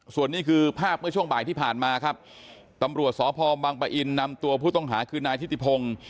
ส่วนนี้คือภาพเมื่อช่วงบ่ายที่ผ่านมาครับตำรวจสพบังปะอินนำตัวผู้ต้องหาคือนายทิติพงศ์